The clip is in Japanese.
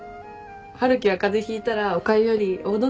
春樹は風邪ひいたらおかゆよりおうどんだもんね。